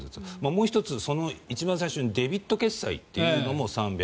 もう１つ、一番最初にデビット決済というのも３００万。